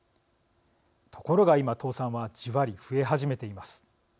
ところが今倒産はじわり増え始めています。